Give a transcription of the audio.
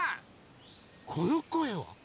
このこえは？